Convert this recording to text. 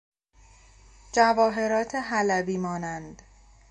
جواهرات حلبی مانند